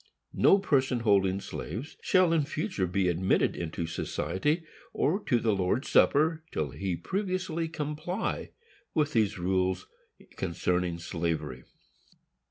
No person holding slaves shall in future be admitted into society, or to the Lord's Supper, till he previously comply with these rules concerning slavery.